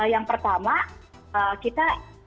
yang pertama kita